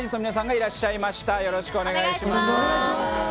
よろしくよろしくお願いします。